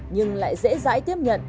nhưng lại dễ dãi tiếp nhận